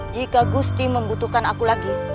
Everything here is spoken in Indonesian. jika gusti membutuhkan aku lagi